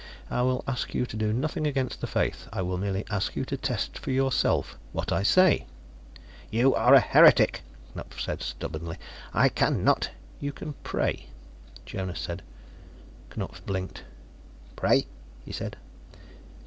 I will ask you to do nothing against the Faith; I will merely ask you to test for yourself what I say." "You are a heretic," Knupf said stubbornly. "I can not " "You can pray," Jonas said. Knupf blinked. "Pray?" he said.